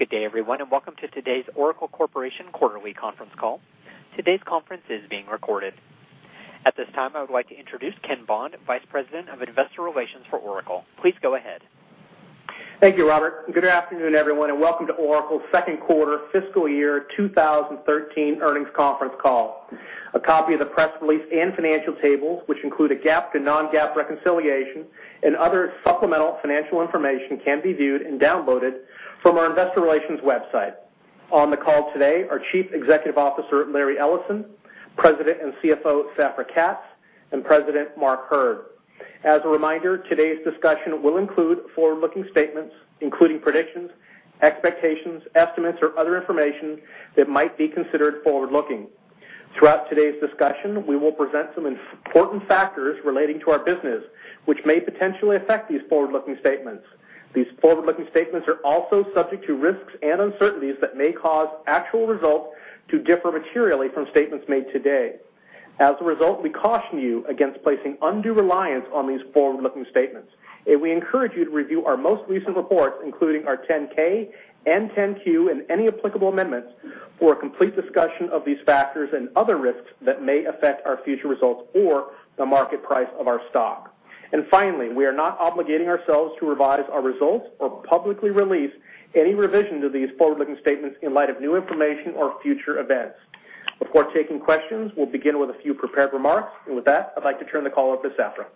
Good day, everyone. Welcome to today's Oracle Corporation quarterly conference call. Today's conference is being recorded. At this time, I would like to introduce Ken Bond, Vice President of Investor Relations for Oracle. Please go ahead. Thank you, Robert. Good afternoon, everyone. Welcome to Oracle's second quarter fiscal year 2013 earnings conference call. A copy of the press release and financial tables, which include a GAAP to non-GAAP reconciliation and other supplemental financial information, can be viewed and downloaded from our investor relations website. On the call today are Chief Executive Officer, Larry Ellison; President and CFO, Safra Catz; and President, Mark Hurd. As a reminder, today's discussion will include forward-looking statements, including predictions, expectations, estimates, or other information that might be considered forward-looking. Throughout today's discussion, we will present some important factors relating to our business, which may potentially affect these forward-looking statements. These forward-looking statements are also subject to risks and uncertainties that may cause actual results to differ materially from statements made today. As a result, we caution you against placing undue reliance on these forward-looking statements. We encourage you to review our most recent reports, including our 10-K and 10-Q, and any applicable amendments for a complete discussion of these factors and other risks that may affect our future results or the market price of our stock. Finally, we are not obligating ourselves to revise our results or publicly release any revisions to these forward-looking statements in light of new information or future events. Before taking questions, we'll begin with a few prepared remarks. With that, I'd like to turn the call over to Safra.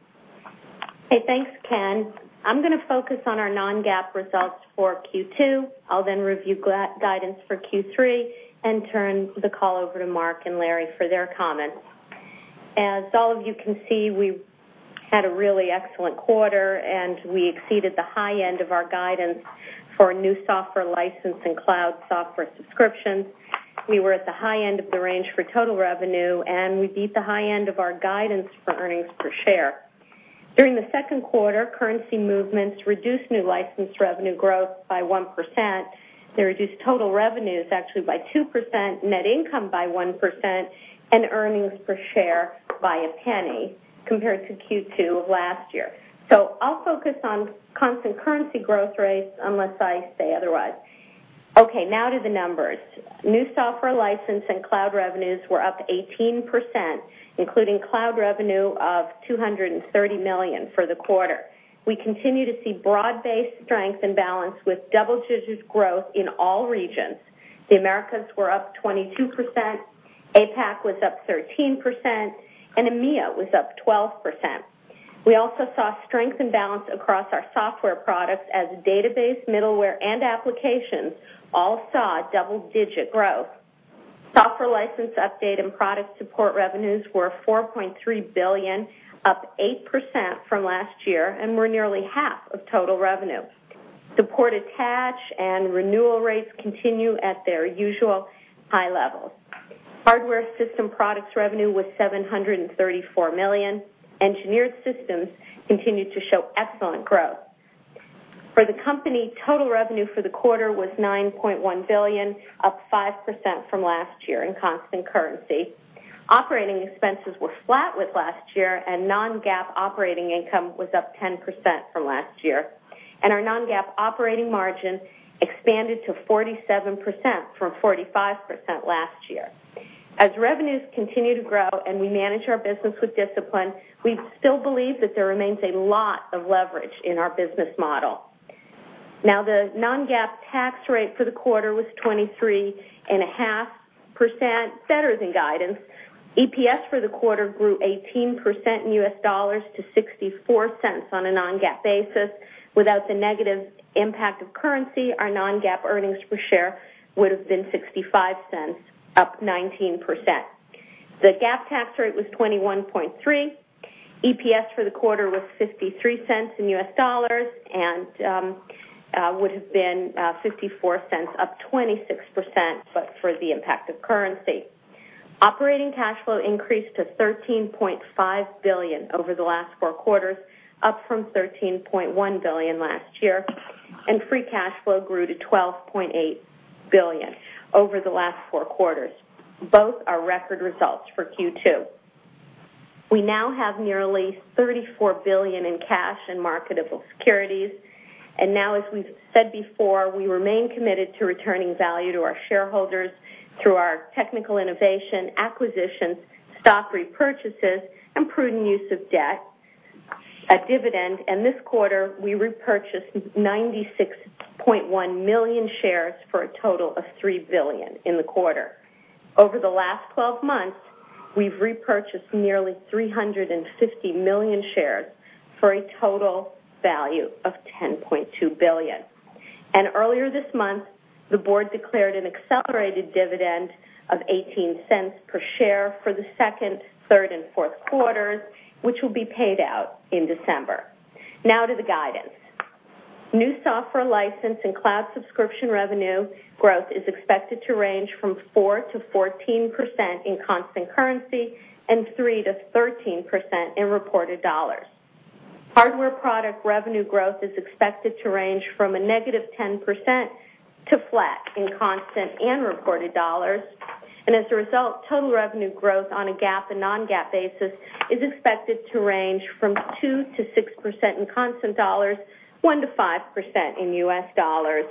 Hey, thanks, Ken. I'm going to focus on our non-GAAP results for Q2. I'll review guidance for Q3 and turn the call over to Mark and Larry for their comments. As all of you can see, we had a really excellent quarter. We exceeded the high end of our guidance for new software license and cloud software subscriptions. We were at the high end of the range for total revenue. We beat the high end of our guidance for earnings per share. During the second quarter, currency movements reduced new license revenue growth by 1%. They reduced total revenues actually by 2%, net income by 1%, and earnings per share by a penny compared to Q2 of last year. I'll focus on constant currency growth rates unless I say otherwise. Okay, now to the numbers. New software license and cloud revenues were up 18%, including cloud revenue of $230 million for the quarter. We continue to see broad-based strength and balance with double-digit growth in all regions. The Americas were up 22%, APAC was up 13%, EMEA was up 12%. We also saw strength and balance across our software products as database, middleware, and applications all saw double-digit growth. Software license update and product support revenues were $4.3 billion, up 8% from last year, and were nearly half of total revenue. Support attach and renewal rates continue at their usual high levels. Hardware system products revenue was $734 million. Engineered systems continued to show excellent growth. For the company, total revenue for the quarter was $9.1 billion, up 5% from last year in constant currency. Operating expenses were flat with last year, non-GAAP operating income was up 10% from last year. Our non-GAAP operating margin expanded to 47% from 45% last year. As revenues continue to grow and we manage our business with discipline, we still believe that there remains a lot of leverage in our business model. The non-GAAP tax rate for the quarter was 23.5%, better than guidance. EPS for the quarter grew 18% in US dollars to $0.64 on a non-GAAP basis. Without the negative impact of currency, our non-GAAP earnings per share would've been $0.65, up 19%. The GAAP tax rate was 21.3%. EPS for the quarter was $0.53 in US dollars and would've been $0.54, up 26%, but for the impact of currency. Operating cash flow increased to $13.5 billion over the last four quarters, up from $13.1 billion last year, free cash flow grew to $12.8 billion over the last four quarters. Both are record results for Q2. We now have nearly $34 billion in cash and marketable securities. As we've said before, we remain committed to returning value to our shareholders through our technical innovation, acquisitions, stock repurchases, prudent use of debt at dividend. This quarter, we repurchased 96.1 million shares for a total of $3 billion in the quarter. Over the last 12 months, we've repurchased nearly 350 million shares for a total value of $10.2 billion. Earlier this month, the board declared an accelerated dividend of $0.18 per share for the second, third, and fourth quarters, which will be paid out in December. To the guidance. New software license and cloud subscription revenue growth is expected to range from 4%-14% in constant currency and 3%-13% in reported dollars. Hardware product revenue growth is expected to range from a negative 10% to flat in constant and reported dollars. As a result, total revenue growth on a GAAP and non-GAAP basis is expected to range from 2%-6% in constant dollars, 1%-5% in U.S. dollars.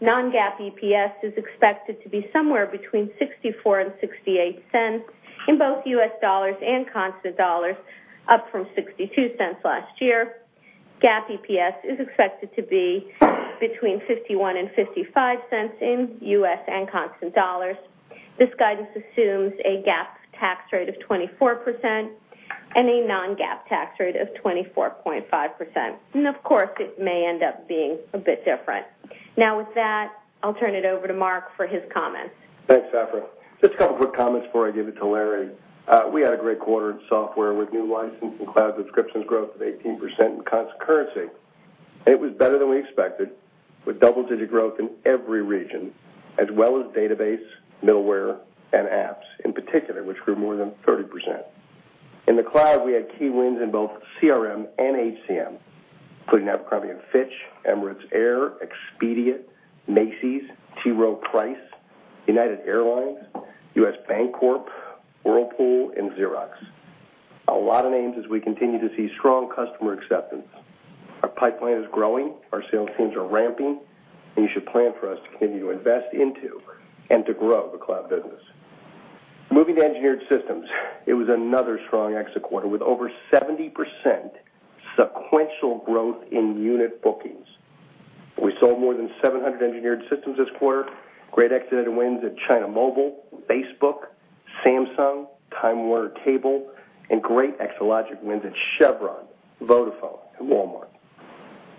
Non-GAAP EPS is expected to be somewhere between $0.64 and $0.68 in both U.S. dollars and constant dollars, up from $0.62 last year. GAAP EPS is expected to be between $0.51 and $0.55 in U.S. and constant dollars. This guidance assumes a GAAP tax rate of 24% and a non-GAAP tax rate of 24.5%. Of course, it may end up being a bit different. With that, I'll turn it over to Mark for his comments. Thanks, Safra Catz. Just a couple quick comments before I give it to Larry. We had a great quarter in software with new licensing cloud subscriptions growth of 18% in constant currency. It was better than we expected, with double-digit growth in every region, as well as database, middleware, and apps, in particular, which grew more than 30%. In the cloud, we had key wins in both CRM and HCM, including Abercrombie & Fitch, Emirates Air, Expedia, Macy's, T. Rowe Price, United Airlines, U.S. Bancorp, Whirlpool, and Xerox. A lot of names as we continue to see strong customer acceptance. Our pipeline is growing, our sales teams are ramping, and you should plan for us to continue to invest into and to grow the cloud business. Moving to engineered systems, it was another strong Exa quarter with over 70% sequential growth in unit bookings. We sold more than 700 engineered systems this quarter. Great Exadata wins at China Mobile, Facebook, Samsung, Time Warner Cable, and great Exalogic wins at Chevron, Vodafone, and Walmart.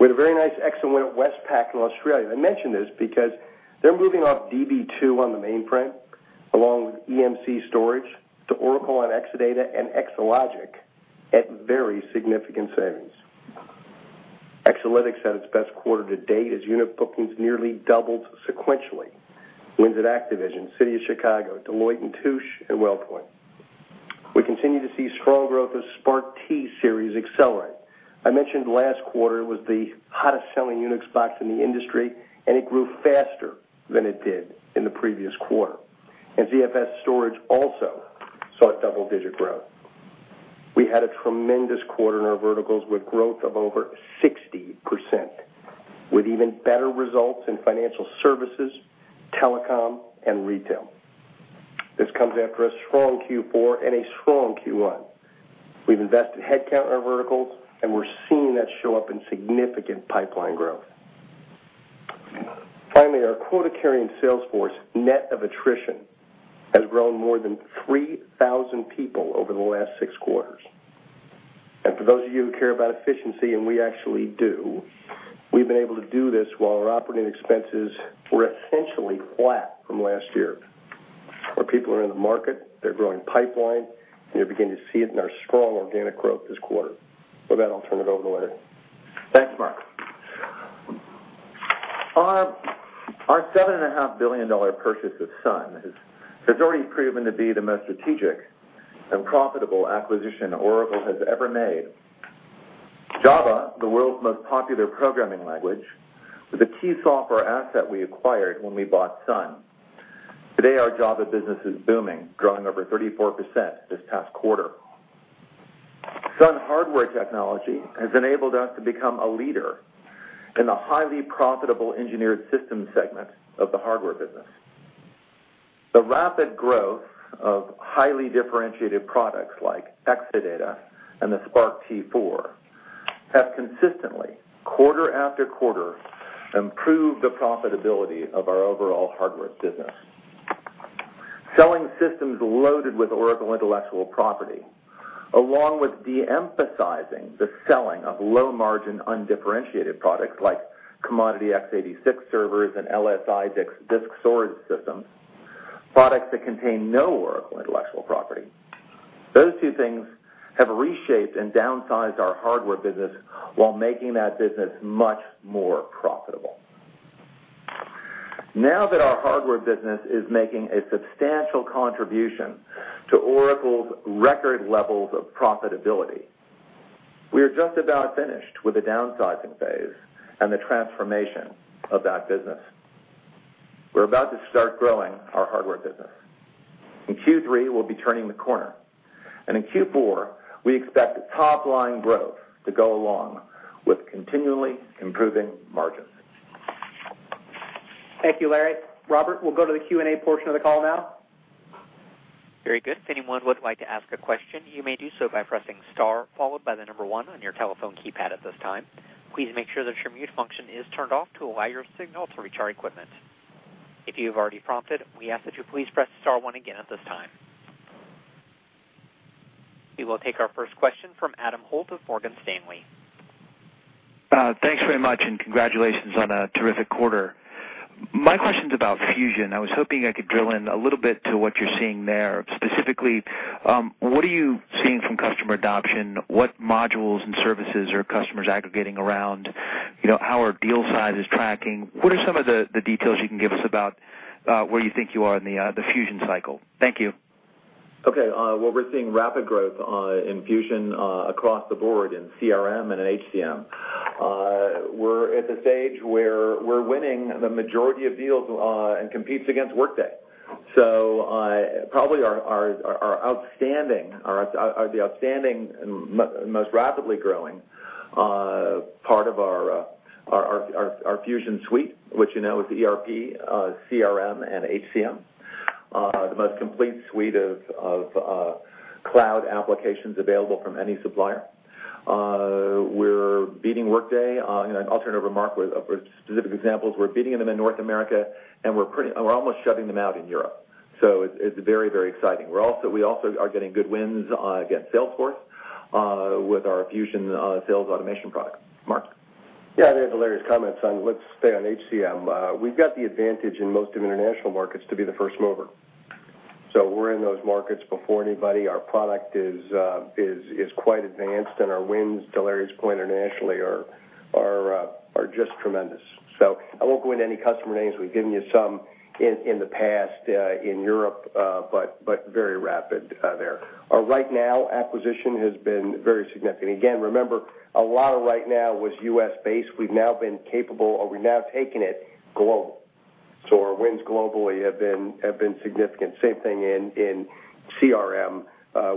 We had a very nice Exa win at Westpac in Australia. I mention this because they're moving off Db2 on the mainframe, along with EMC storage, to Oracle on Exadata and Exalogic at very significant savings. Exalytics had its best quarter to date as unit bookings nearly doubled sequentially. Wins at Activision, City of Chicago, Deloitte & Touche, and WellPoint. We continue to see strong growth as SPARC T-series accelerate. I mentioned last quarter it was the hottest-selling Unix box in the industry, and it grew faster than it did in the previous quarter. ZFS storage also saw double-digit growth. We had a tremendous quarter in our verticals with growth of over 60%, with even better results in financial services, telecom, and retail. This comes after a strong Q4 and a strong Q1. We've invested headcount in our verticals, and we're seeing that show up in significant pipeline growth. Finally, our quota-carrying sales force, net of attrition, has grown more than 3,000 people over the last six quarters. For those of you who care about efficiency, and we actually do, we've been able to do this while our operating expenses were essentially flat from last year. Our people are in the market, they're growing pipeline, and you'll begin to see it in our strong organic growth this quarter. With that, I'll turn it over to Larry. Thanks, Mark. Our $7.5 billion purchase of Sun has already proven to be the most strategic and profitable acquisition Oracle has ever made. Java, the world's most popular programming language, was a key software asset we acquired when we bought Sun. Today, our Java business is booming, growing over 34% this past quarter. Sun hardware technology has enabled us to become a leader in the highly profitable engineered systems segment of the hardware business. The rapid growth of highly differentiated products like Exadata and the SPARC T4 have consistently, quarter after quarter, improved the profitability of our overall hardware business. Selling systems loaded with Oracle intellectual property, along with de-emphasizing the selling of low-margin, undifferentiated products like commodity X86 servers and LSI disk storage systems, products that contain no Oracle intellectual property. Those two things have reshaped and downsized our hardware business while making that business much more profitable. Now that our hardware business is making a substantial contribution to Oracle's record levels of profitability, we are just about finished with the downsizing phase and the transformation of that business. We're about to start growing our hardware business. In Q3, we'll be turning the corner, and in Q4, we expect top-line growth to go along with continually improving margins. Thank you, Larry. Robert, we'll go to the Q&A portion of the call now. Very good. If anyone would like to ask a question, you may do so by pressing star, followed by the number one on your telephone keypad at this time. Please make sure that your mute function is turned off to allow your signal to reach our equipment. If you have already prompted, we ask that you please press star one again at this time. We will take our first question from Adam Holt of Morgan Stanley. Thanks very much. Congratulations on a terrific quarter. My question's about Fusion. I was hoping I could drill in a little bit to what you're seeing there. Specifically, what are you seeing from customer adoption? What modules and services are customers aggregating around? How are deal sizes tracking? What are some of the details you can give us about where you think you are in the Fusion cycle? Thank you. Okay. Well, we're seeing rapid growth in Fusion across the board in CRM and in HCM. We're at the stage where we're winning the majority of deals and competes against Workday. Probably the outstanding, and most rapidly growing part of our Fusion suite, which you know is ERP, CRM, and HCM, the most complete suite of cloud applications available from any supplier. We're beating Workday. I'll turn it over to Mark with specific examples. We're beating them in North America, and we're almost shutting them out in Europe. It's very exciting. We also are getting good wins against Salesforce with our Fusion sales automation product. Mark? Yeah, to Larry's comments on, let's stay on HCM. We've got the advantage in most of the international markets to be the first mover. We're in those markets before anybody. Our product is quite advanced, and our wins, to Larry's point, internationally are just tremendous. I won't go into any customer names. We've given you some in the past in Europe, but very rapid there. Right now, acquisition has been very significant. Again, remember, a lot of right now was U.S.-based. We've now been capable, or we've now taken it global. Our wins globally have been significant. Same thing in CRM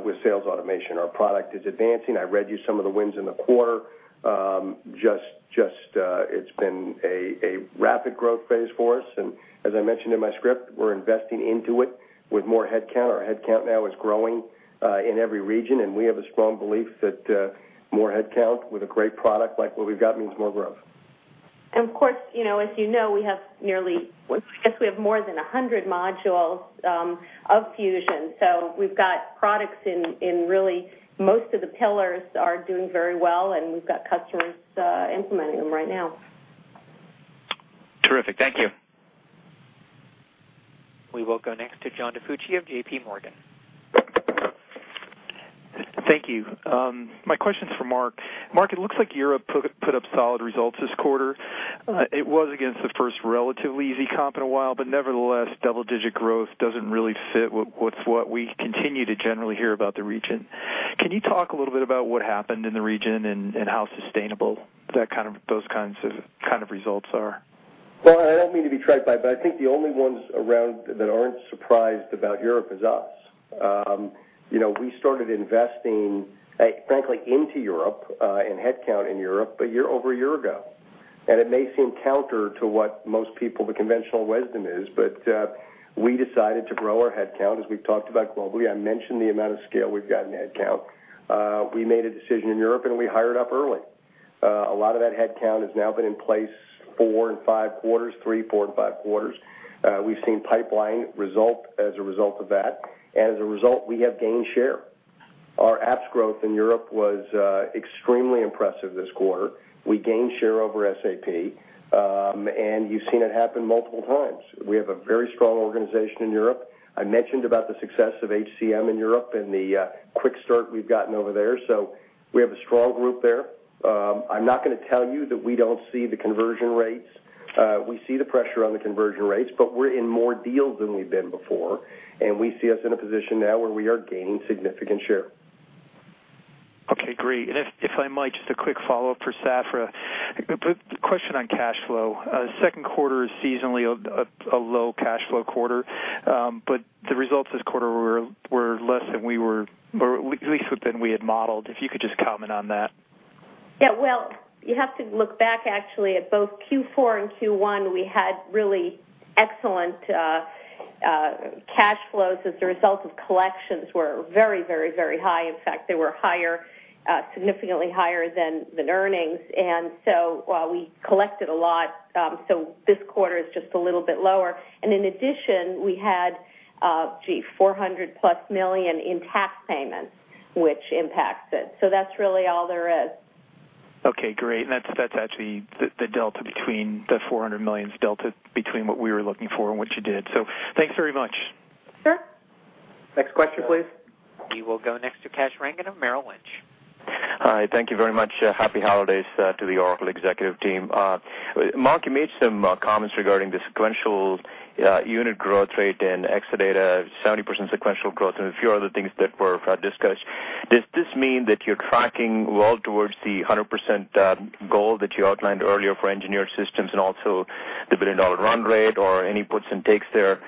with sales automation. Our product is advancing. I read you some of the wins in the quarter. It's been a rapid growth phase for us, and as I mentioned in my script, we're investing into it with more headcount. Our headcount now is growing in every region, and we have a strong belief that more headcount with a great product like what we've got means more growth. Of course, as you know, we have more than 100 modules of Fusion. We've got products in really most of the pillars are doing very well, and we've got customers implementing them right now. Terrific. Thank you. We will go next to John DiFucci of JPMorgan. Thank you. My question's for Mark. Mark, it looks like Europe put up solid results this quarter. It was against the first relatively easy comp in a while, but nevertheless, double-digit growth doesn't really fit with what we continue to generally hear about the region. Can you talk a little bit about what happened in the region and how sustainable those kinds of results are? I don't mean to be trite, I think the only ones around that aren't surprised about Europe is us. We started investing, frankly, into Europe, in headcount in Europe, over a year ago. It may seem counter to what most people, the conventional wisdom is, we decided to grow our headcount, as we've talked about globally. I mentioned the amount of scale we've got in headcount. We made a decision in Europe, and we hired up early. A lot of that headcount has now been in place four and five quarters, three, four, and five quarters. We've seen pipeline result as a result of that. As a result, we have gained share. Our apps growth in Europe was extremely impressive this quarter. We gained share over SAP, and you've seen it happen multiple times. We have a very strong organization in Europe. I mentioned about the success of HCM in Europe and the quick start we've gotten over there. We have a strong group there. I'm not going to tell you that we don't see the conversion rates. We see the pressure on the conversion rates, we're in more deals than we've been before, we see us in a position now where we are gaining significant share. Okay, great. If I might, just a quick follow-up for Safra. Question on cash flow. Second quarter is seasonally a low cash flow quarter, the results this quarter were less than we had modeled. If you could just comment on that. You have to look back actually at both Q4 and Q1. We had really excellent cash flows as the result of collections were very high. In fact, they were significantly higher than earnings. While we collected a lot, this quarter is just a little bit lower. In addition, we had, gee, $400-plus million in tax payments, which impacts it. That's really all there is. Okay, great. That's actually the delta between the $400 million delta between what we were looking for and what you did. Thanks very much. Sure. Next question, please. We will go next to Kash Rangan of Merrill Lynch. Hi, thank you very much. Happy holidays to the Oracle executive team. Mark, you made some comments regarding the sequential unit growth rate in Exadata, 70% sequential growth, and a few other things that were discussed. Does this mean that you're tracking well towards the 100% goal that you outlined earlier for Engineered Systems and also the $1 billion-dollar run rate, or any puts and takes there?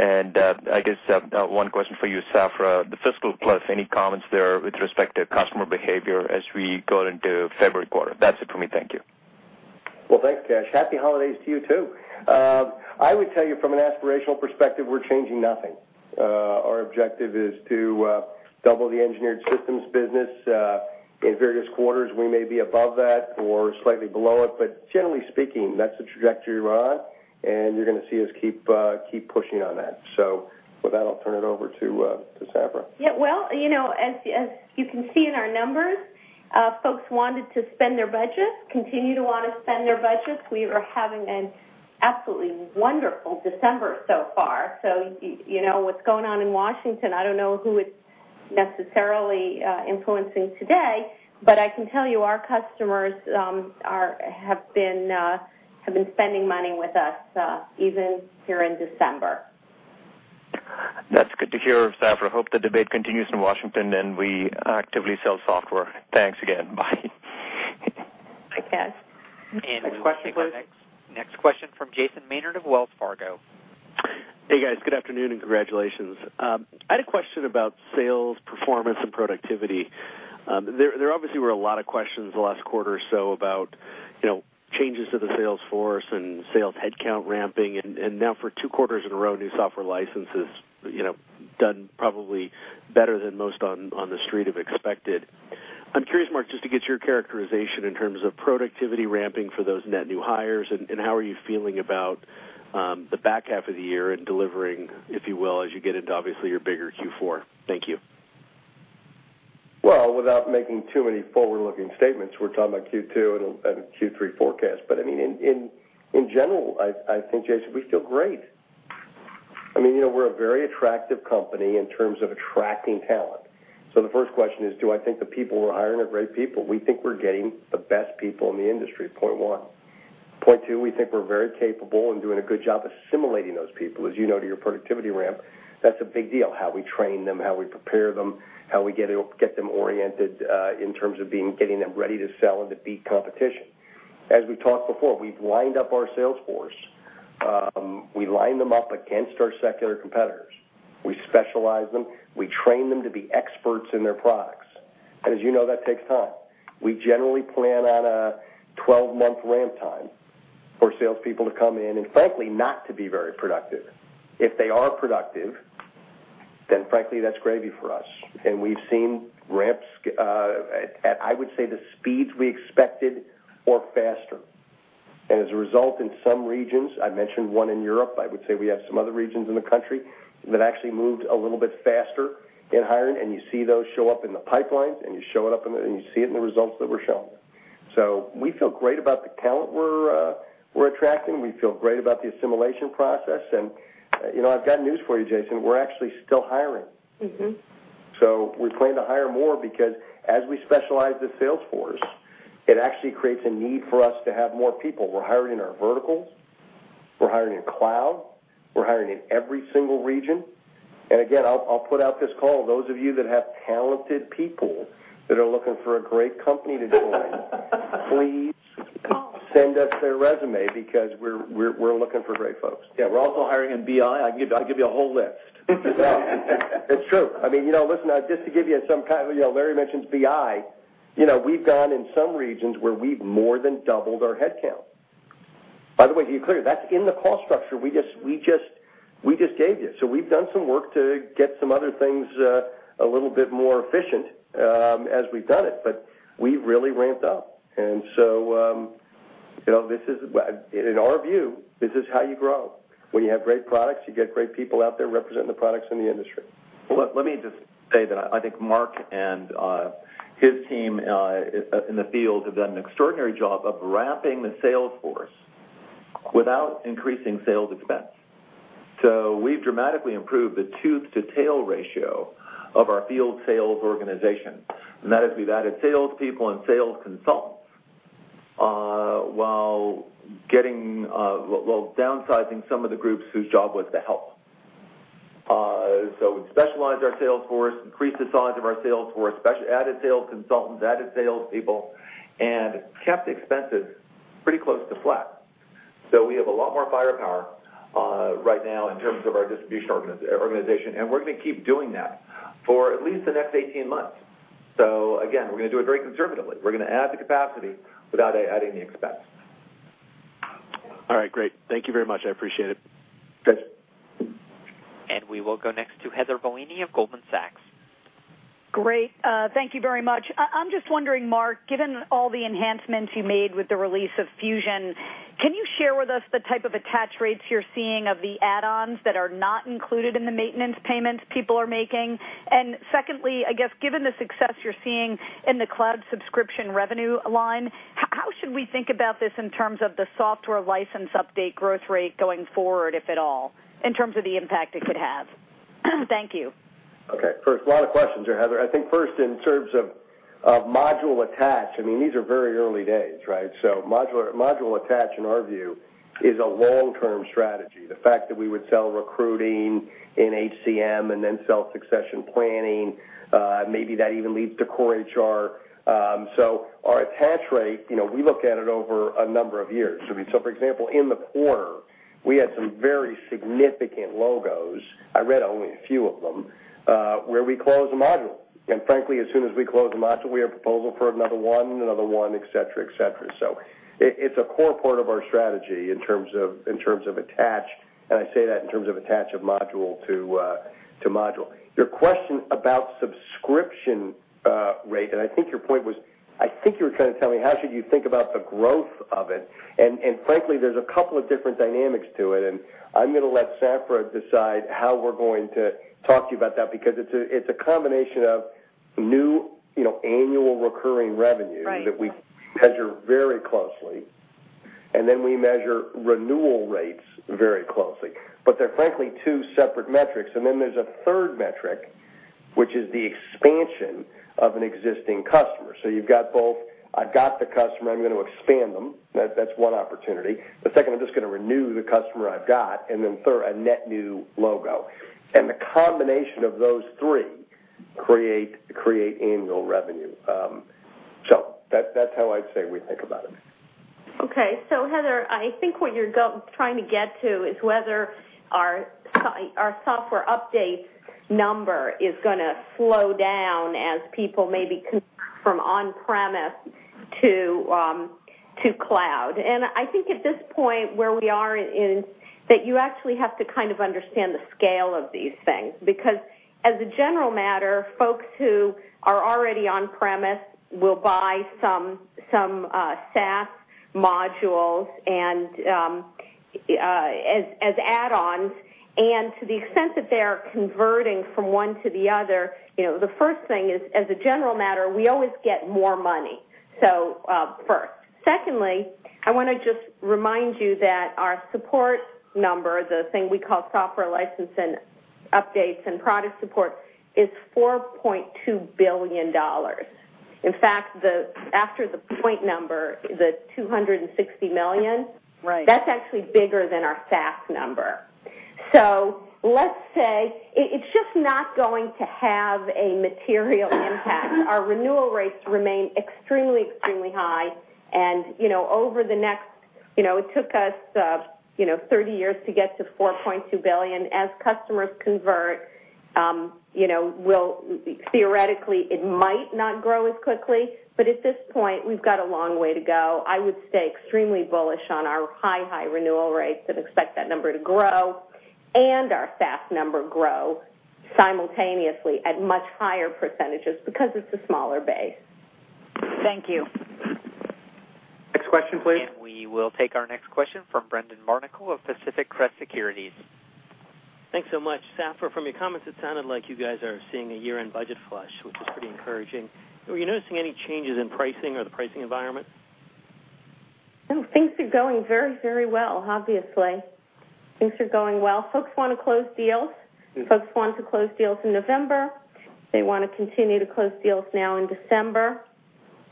I guess one question for you, Safra, the fiscal plus, any comments there with respect to customer behavior as we go into February quarter? That's it for me. Thank you. Well, thanks, Kash. Happy holidays to you, too. I would tell you from an aspirational perspective, we're changing nothing. Our objective is to double the Engineered Systems business. In various quarters, we may be above that or slightly below it, but generally speaking, that's the trajectory we're on, and you're going to see us keep pushing on that. With that, I'll turn it over to Safra. Well, as you can see in our numbers, folks wanted to spend their budgets, continue to want to spend their budgets. We are having an absolutely wonderful December so far. With what's going on in Washington, I don't know who would be necessarily influencing today, but I can tell you our customers have been spending money with us, even here in December. That's good to hear, Safra. Hope the debate continues in Washington, we actively sell software. Thanks again. Bye. Bye, Kash. We will go next. Next question from Jason Maynard of Wells Fargo. Hey, guys. Good afternoon and congratulations. I had a question about sales performance and productivity. There obviously were a lot of questions the last quarter or so about changes to the sales force and sales headcount ramping, and now for two quarters in a row, new software licenses done probably better than most on the street have expected. I'm curious, Mark, just to get your characterization in terms of productivity ramping for those net new hires, and how are you feeling about the back half of the year and delivering, if you will, as you get into, obviously, your bigger Q4. Thank you. Without making too many forward-looking statements, we're talking about Q2 and Q3 forecast. In general, I think, Jason, we feel great. We're a very attractive company in terms of attracting talent. The first question is, do I think the people we're hiring are great people? We think we're getting the best people in the industry, point one. Point two, we think we're very capable and doing a good job assimilating those people. As you know, to your productivity ramp, that's a big deal, how we train them, how we prepare them, how we get them oriented, in terms of getting them ready to sell and to beat competition. As we talked before, we've lined up our sales force. We line them up against our secular competitors. We specialize them. We train them to be experts in their products. As you know, that takes time. We generally plan on a 12-month ramp time for salespeople to come in and frankly, not to be very productive. If they are productive, frankly, that's gravy for us. We've seen ramps at, I would say, the speeds we expected or faster. As a result, in some regions, I mentioned one in Europe, I would say we have some other regions in the country that actually moved a little bit faster in hiring, and you see those show up in the pipelines, and you see it in the results that we're showing. We feel great about the talent we're attracting. We feel great about the assimilation process, and I've got news for you, Jason. We're actually still hiring. We plan to hire more because as we specialize the sales force, it actually creates a need for us to have more people. We're hiring in our verticals, we're hiring in cloud, we're hiring in every single region. Again, I'll put out this call. Those of you that have talented people that are looking for a great company to join, please send us their resume because we're looking for great folks. Yeah, we're also hiring in BI. I'll give you a whole list. It's true. Listen, just to give you Larry mentions BI. We've gone in some regions where we've more than doubled our headcount. By the way, to be clear, that's in the cost structure we just gave you. We've done some work to get some other things a little bit more efficient as we've done it, but we've really ramped up. In our view, this is how you grow. When you have great products, you get great people out there representing the products in the industry. Well, let me just say that I think Mark and his team in the field have done an extraordinary job of ramping the sales force without increasing sales expense. We've dramatically improved the tooth to tail ratio of our field sales organization, and that is, we've added salespeople and sales consultants, while downsizing some of the groups whose job was to help. We specialized our sales force, increased the size of our sales force, added sales consultants, added salespeople, and kept expenses pretty close to flat. We have a lot more firepower right now in terms of our distribution organization, and we're going to keep doing that for at least the next 18 months. Again, we're going to do it very conservatively. We're going to add the capacity without adding the expense. All right, great. Thank you very much. I appreciate it. Good. We will go next to Heather Bellini of Goldman Sachs. Great. Thank you very much. I'm just wondering, Mark, given all the enhancements you made with the release of Fusion, can you share with us the type of attach rates you're seeing of the add-ons that are not included in the maintenance payments people are making? Secondly, I guess given the success you're seeing in the cloud subscription revenue line, how should we think about this in terms of the software license update growth rate going forward, if at all, in terms of the impact it could have? Thank you. Okay. First, a lot of questions there, Heather. I think first, in terms of module attach, these are very early days, right? Module attach, in our view, is a long-term strategy. The fact that we would sell recruiting in HCM and then sell succession planning, maybe that even leads to core HR. Our attach rate, we look at it over a number of years. For example, in the quarter, we had some very significant logos, I read only a few of them, where we closed a module. Frankly, as soon as we close a module, we have a proposal for another one, another one, et cetera. It's a core part of our strategy in terms of attach, and I say that in terms of attach of module to module. Your question about subscription rate, I think your point was, I think you were trying to tell me how should you think about the growth of it. Frankly, there's a couple of different dynamics to it, I'm going to let Safra decide how we're going to talk to you about that, because it's a combination of new annual recurring revenue. Right that we measure very closely. Then we measure renewal rates very closely. They're frankly two separate metrics, then there's a third metric, which is the expansion of an existing customer. You've got both, I've got the customer, I'm going to expand them. That's one opportunity. The second, I'm just going to renew the customer I've got, then third, a net new logo. The combination of those three create annual revenue. That's how I'd say we think about it. Okay. Heather, I think what you're trying to get to is whether our software update number is going to slow down as people maybe convert from on-premise to cloud. I think at this point where we are is that you actually have to understand the scale of these things. As a general matter, folks who are already on-premise will buy some SaaS modules as add-ons. To the extent that they are converting from one to the other, the first thing is, as a general matter, we always get more money, first. Secondly, I want to just remind you that our support number, the thing we call software license and updates and product support, is $4.2 billion. In fact, after the point number, the $260 million. Right That's actually bigger than our SaaS number. Let's say it's just not going to have a material impact. Our renewal rates remain extremely high, it took us 30 years to get to $4.2 billion. As customers convert, theoretically, it might not grow as quickly, but at this point, we've got a long way to go. I would stay extremely bullish on our high renewal rates and expect that number to grow, and our SaaS number grow simultaneously at much higher percentages because it's a smaller base. Thank you. Next question, please. We will take our next question from Brendan Barnicle of Pacific Crest Securities. Thanks so much. Safra, from your comments, it sounded like you guys are seeing a year-end budget flush, which is pretty encouraging. Were you noticing any changes in pricing or the pricing environment? No, things are going very, very well, obviously. Things are going well. Folks want to close deals. Folks want to close deals in November. They want to continue to close deals now in December.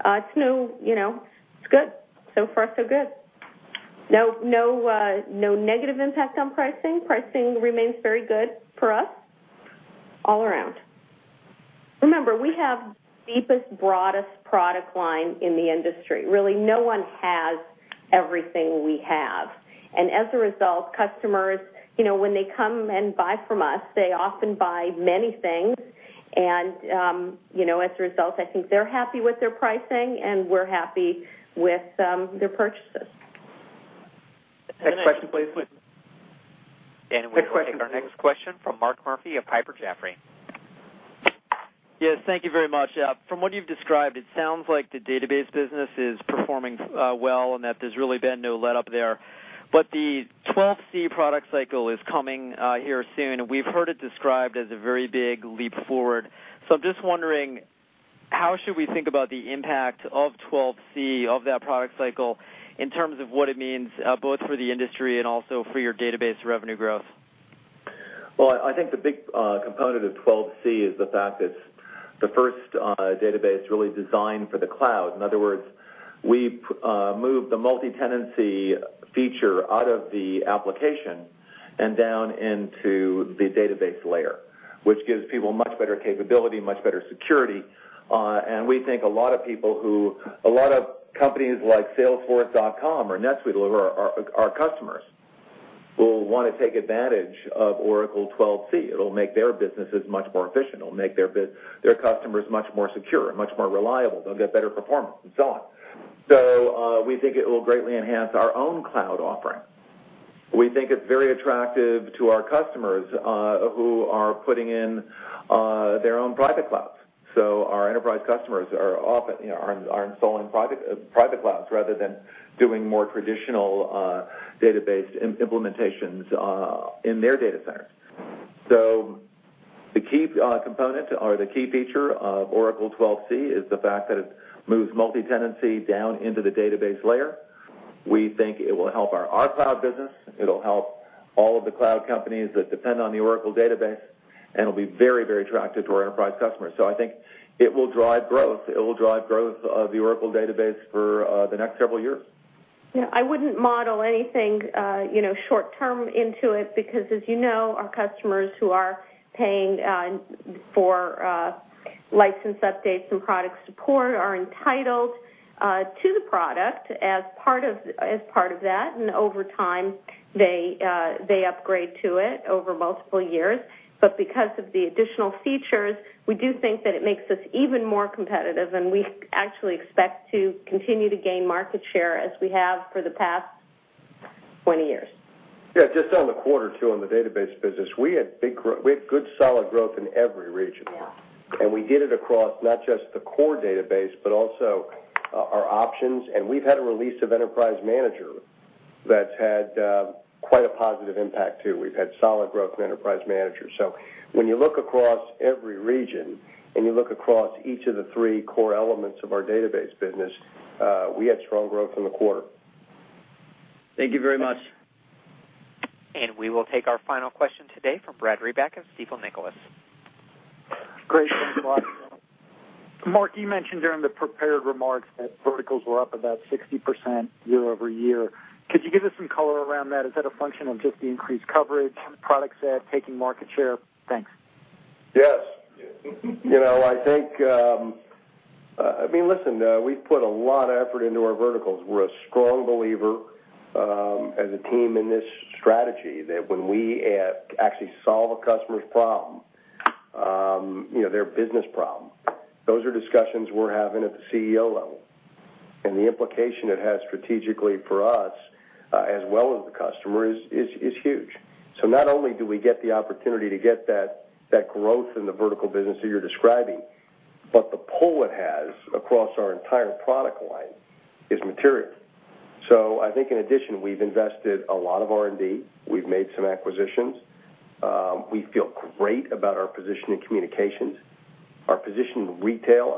It's good. So far, so good. No negative impact on pricing. Pricing remains very good for us all around. Remember, we have the deepest, broadest product line in the industry. Really, no one has everything we have. As a result, customers, when they come and buy from us, they often buy many things, and as a result, I think they're happy with their pricing, and we're happy with their purchases. Next question, please. We will take our next question from Mark Murphy of Piper Jaffray. Yes, thank you very much. From what you've described, it sounds like the database business is performing well, and that there's really been no letup there. The 12c product cycle is coming here soon, and we've heard it described as a very big leap forward. I'm just wondering, how should we think about the impact of 12c, of that product cycle, in terms of what it means both for the industry and also for your database revenue growth? I think the big component of 12c is the fact that it's the first database really designed for the cloud. In other words, we've moved the multi-tenancy feature out of the application and down into the database layer, which gives people much better capability, much better security. We think a lot of companies like salesforce.com or NetSuite, who are our customers, will want to take advantage of Oracle 12c. It'll make their businesses much more efficient. It'll make their customers much more secure and much more reliable. They'll get better performance and so on. We think it will greatly enhance our own cloud offering. We think it's very attractive to our customers who are putting in their own private clouds. Our enterprise customers are installing private clouds rather than doing more traditional database implementations in their data centers. The key component or the key feature of Oracle 12c is the fact that it moves multi-tenancy down into the database layer. We think it will help our cloud business. It'll help all of the cloud companies that depend on the Oracle database, it'll be very attractive to our enterprise customers. I think it will drive growth. It will drive growth of the Oracle database for the next several years. I wouldn't model anything short-term into it because as you know, our customers who are paying for license updates and product support are entitled to the product as part of that. Over time, they upgrade to it over multiple years. Because of the additional features, we do think that it makes us even more competitive, and we actually expect to continue to gain market share as we have for the past 20 years. Just on the quarter, too, on the database business, we had good, solid growth in every region. Yeah. We did it across not just the core database, but also our options. We've had a release of Enterprise Manager That's had quite a positive impact too. We've had solid growth in Enterprise Manager. When you look across every region and you look across each of the three core elements of our database business, we had strong growth in the quarter. Thank you very much. We will take our final question today from Brad Reback of Stifel Nicolaus. Great. Thanks a lot. Mark, you mentioned during the prepared remarks that verticals were up about 60% year-over-year. Could you give us some color around that? Is that a function of just the increased coverage, product set, taking market share? Thanks. Yes. Listen, we've put a lot of effort into our verticals. We're a strong believer as a team in this strategy, that when we actually solve a customer's problem, their business problem, those are discussions we're having at the CEO level. The implication it has strategically for us as well as the customer is huge. Not only do we get the opportunity to get that growth in the vertical business that you're describing, but the pull it has across our entire product line is material. I think in addition, we've invested a lot of R&D. We've made some acquisitions. We feel great about our position in communications, our position in retail.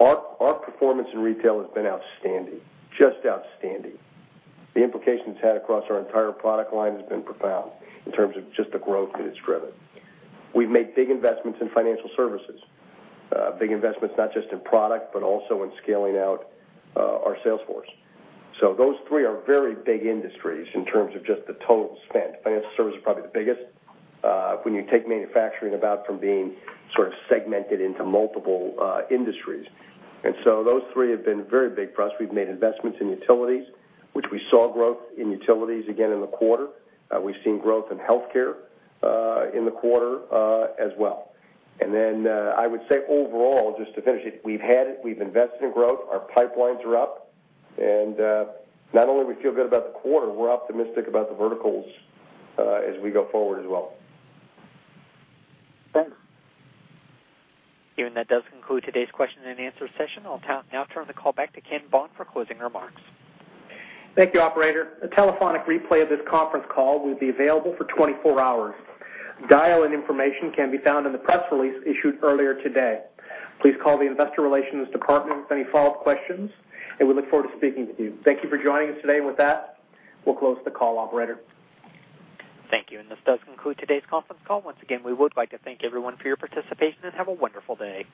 Our performance in retail has been outstanding, just outstanding. The implications had across our entire product line has been profound in terms of just the growth that it's driven. We've made big investments in financial services, big investments, not just in product, but also in scaling out our sales force. Those three are very big industries in terms of just the total spent. Financial services is probably the biggest, when you take manufacturing about from being sort of segmented into multiple industries. Those three have been very big for us. We've made investments in utilities, which we saw growth in utilities again in the quarter. We've seen growth in healthcare, in the quarter as well. I would say overall, just to finish it, we've invested in growth. Our pipelines are up, and not only we feel good about the quarter, we're optimistic about the verticals as we go forward as well. Thanks. That does conclude today's question and answer session. I'll now turn the call back to Ken Bond for closing remarks. Thank you, operator. A telephonic replay of this conference call will be available for 24 hours. Dial-in information can be found in the press release issued earlier today. Please call the investor relations department with any follow-up questions, and we look forward to speaking with you. Thank you for joining us today. With that, we'll close the call, operator. Thank you. This does conclude today's conference call. Once again, we would like to thank everyone for your participation, and have a wonderful day.